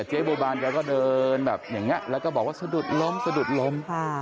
เจ๊บัวบานแกก็เดินแบบอย่างนี้แล้วก็บอกว่าสะดุดล้มสะดุดล้ม